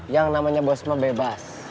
yang namanya bosma bebas